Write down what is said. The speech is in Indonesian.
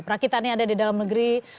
perakitan yang ada di dalam negeri